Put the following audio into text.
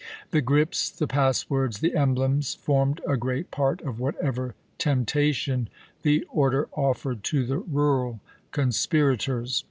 The grips, the passwords, the emblems, formed a great part of whatever temptation the order offered to the rural conspirators.